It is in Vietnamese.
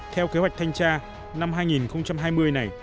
theo kế hoạch thanh tra năm hai nghìn hai mươi này